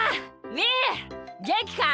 みーげんきか？